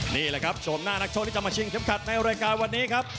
นี่แหละครับชมหน้านักโชคที่จะมาชิงเข็มขัดในรายการวันนี้ครับ